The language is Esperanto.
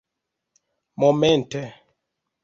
momente